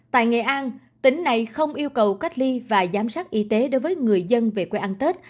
tại nghệ an tỉnh này không yêu cầu cách ly và giám sát y tế đối với người dân về quê ăn tết